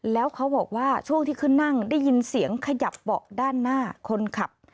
แล้วเขาบอกว่าช่วงที่ขึ้นนั่งได้ยินเสียงขยับเบาะด้านหน้าคนขับ